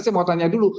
saya mau tanya dulu